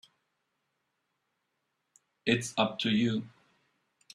It's up to you.